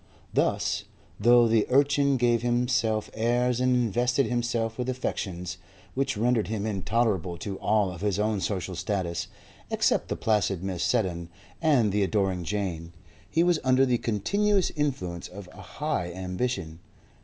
Thus, though the urchin gave himself airs and invested himself with affectations, which rendered him intolerable to all of his own social status, except the placid Mrs. Seddon and the adoring Jane, he was under the continuous influence of a high ambition.